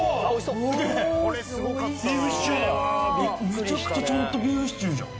めちゃくちゃちゃんとビーフシチューじゃん。